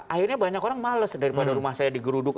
akhirnya banyak orang males daripada rumah saya digeruduk